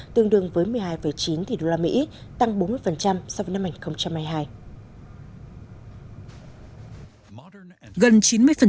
tương đương với một mươi hai chín tỷ usd tăng bốn mươi so với năm hai nghìn hai mươi hai